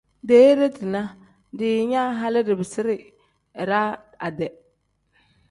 Deere dina diinyaa hali dibirisi iraa ade.